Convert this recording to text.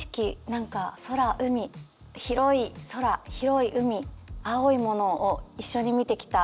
何か空海広い空広い海青いものを一緒に見てきた。